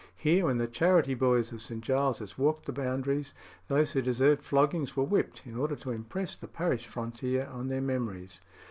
Here when the charity boys of St. Giles's walked the boundaries, those who deserved flogging were whipped, in order to impress the parish frontier on their memories.